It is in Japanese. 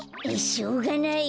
しょうがない。